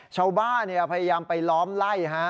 ชาวบ้านพยายามไปล้อมไล่